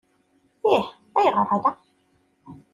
Ih, ayɣer ala?